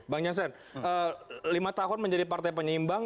bang yassin lima tahun menjadi partai penyimbang